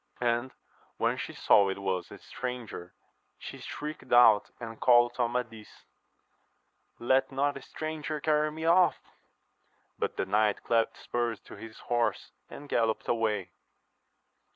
And when she saw it was a stranger, she shrieked out and called to Amadis, Let not a stranger carry me off ! But the knight clapt spurs to his horse, and gallopped away.